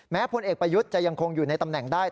พลเอกประยุทธ์จะยังคงอยู่ในตำแหน่งได้